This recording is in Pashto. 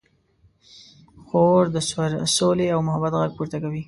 خور د سولې او محبت غږ پورته کوي.